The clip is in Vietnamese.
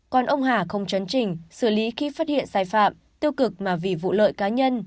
còn ông hà không chấn trình xử lý khi phát hiện xây phạm tư cực mà vì vụ lợi cá nhân